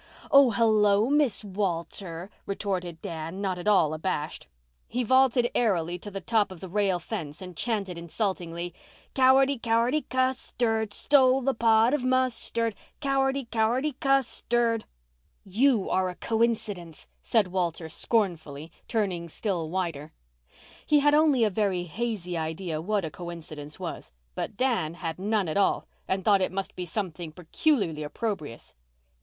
"Oh, hello, Miss Walter," retorted Dan, not at all abashed. He vaulted airily to the top of the rail fence and chanted insultingly, "Cowardy, cowardy custard Stole a pot of mustard, Cowardy, cowardy custard!" "You are a coincidence!" said Walter scornfully, turning still whiter. He had only a very hazy idea what a coincidence was, but Dan had none at all and thought it must be something peculiarly opprobrious.